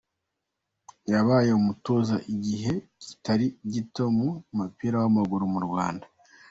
Yabaye umutoza igihe kitari gito mu mupira w’amaguru mu Rwanda.